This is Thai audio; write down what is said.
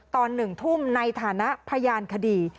ตอน๑ทุ่มในฐานะพยานคดี